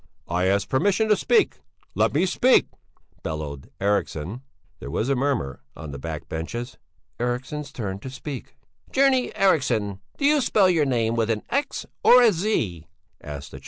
"I ask permission to speak! Let me speak!" bellowed Eriksson. There was a murmur on the back benches: "Eriksson's turn to speak." "Journeyman Eriksson do you spell your name with an x or a z?"